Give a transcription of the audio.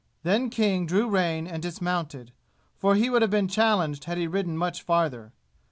Then King drew rein and dismounted, for he would have been challenged had he ridden much farther.